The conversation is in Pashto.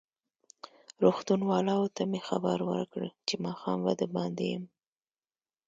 روغتون والاوو ته مې خبر ورکړ چې ماښام به دباندې یم.